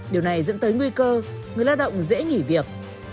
điều này dẫn tới nguy cơ người lao động dễ nghỉ việc